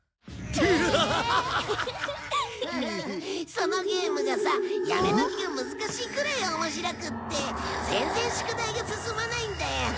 そのゲームがさやめ時が難しいくらい面白くって全然宿題が進まないんだよ。